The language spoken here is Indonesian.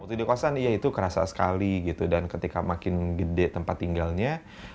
waktu di kosan iya itu kerasa sekali gitu dan ketika makin gede tempat tinggalnya